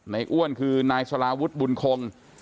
อ้วนคือนายสลาวุฒิบุญคง